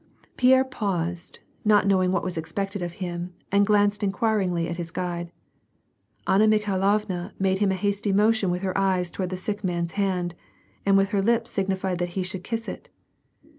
Pierre paused, not knowing what was expected of him, and i^lauced inquiringly at his guide. Anna Mikhailovna made ^ liim a hasty motion with her eyes toward the si(^k man's hand, and with her lips signified that he should kiss it.